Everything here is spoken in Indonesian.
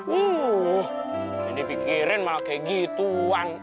wuh yang dipikirin malah kayak gituan